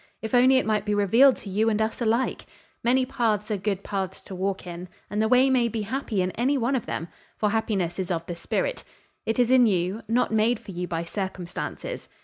If only it might be revealed to you and us alike! Many paths are good paths to walk in, and the way may be happy in any one of them, for happiness is of the spirit. It is in you not made for you by circumstances.